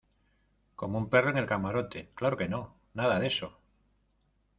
como un perro en el camarote. claro que no, nada de eso .